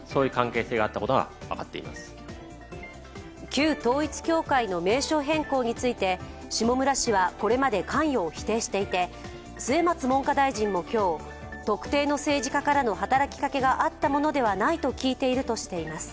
旧統一教会の名称変更について下村氏はこれまで関与を否定していて末松文科大臣も今日、特定の政治家からの働きかけがあったものではないと聞いているとしています。